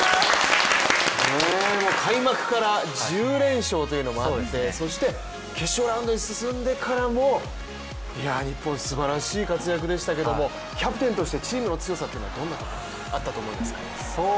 開幕から１０連勝というのもあって、そして決勝ラウンドに進んでからも日本すばらしい活躍でしたけれどもキャプテンとしてチームの強さはどんなところにあったと思いますか？